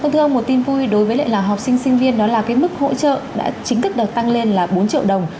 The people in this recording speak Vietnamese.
thưa ông một tin vui đối với lại là học sinh sinh viên đó là cái mức hỗ trợ đã chính thức được tăng lên là bốn triệu đồng